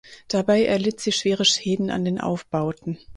Dabei erlitt sie schwere Schäden an den Aufbauten.